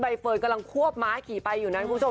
เฟิร์นกำลังควบม้าขี่ไปอยู่นั้นคุณผู้ชม